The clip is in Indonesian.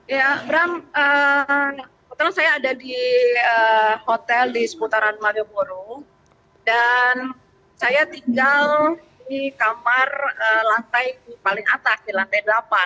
ya bram kebetulan saya ada di hotel di seputaran malioboro dan saya tinggal di kamar lantai paling atas di lantai delapan